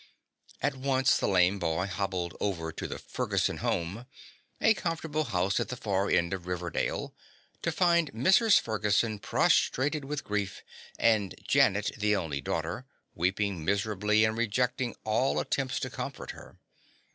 At once the lame boy hobbled over to the Ferguson home, a comfortable house at the far end of Riverdale, to find Mrs. Ferguson prostrated with grief, and Janet, the only daughter, weeping miserably and rejecting all attempts to comfort her.